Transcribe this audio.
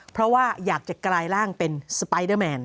เพราะว่าอยากจะกลายร่างเป็นสไปเดอร์แมน